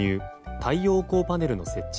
太陽光パネルの設置